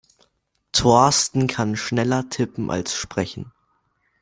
Thorsten kann schneller tippen als sprechen.